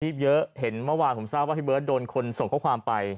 เยอะเห็นเมื่อวานผมทราบว่าพี่เบิร์ตโดนคนส่งข้อความไป